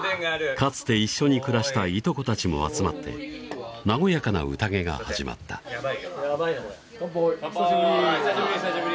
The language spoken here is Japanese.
かつて一緒に暮らしたいとこたちも集まって和やかな宴が始まった乾杯久しぶり久しぶり久しぶり！